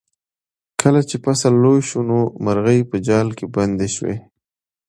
کله چې فصل لوی شو نو مرغۍ په جال کې بندې شوې.